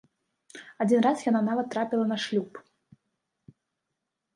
Адзін раз яна нават трапіла на шлюб.